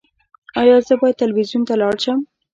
ایا زه باید تلویزیون ته لاړ شم؟